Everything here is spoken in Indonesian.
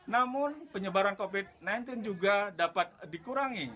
namun penyebaran covid sembilan belas juga dapat dikurangi